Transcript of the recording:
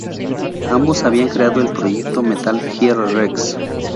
Ambos habían creado el proyecto Metal Gear Rex.